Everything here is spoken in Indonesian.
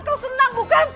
kau senang bukan